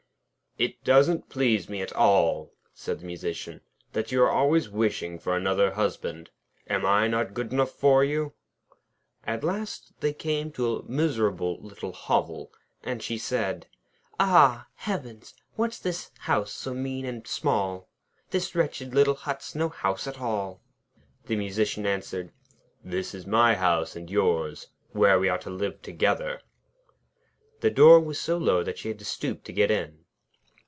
'It doesn't please me at all,' said the Musician, 'that you are always wishing for another husband. Am I not good enough for you?' At last they came to a miserable little hovel, and she said: 'Ah, heavens! what's this house, so mean and small? This wretched little hut's no house at all.' The Musician answered: 'This is my house, and yours; where we are to live together.' The door was so low that she had to stoop to get in.